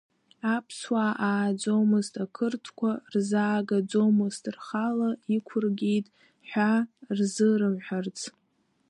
Аԥсуаа ааӡомызт, ақырҭқәа рзаагаӡомызт, рхала иқәыргеит ҳәа рзырымҳәарц.